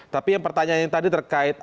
tapi yang pertanyaannya tadi terkait